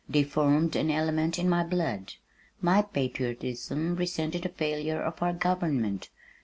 They formed an element in my blood. My patriotism resented the failure of our government.